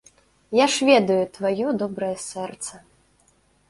Я ж ведаю тваё добрае сэрца.